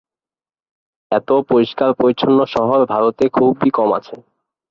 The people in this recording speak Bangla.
এত পরিষ্কার-পরিচ্ছন শহর ভারতে খুবই কম আছে।